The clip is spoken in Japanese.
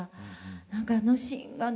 何かあのシーンがね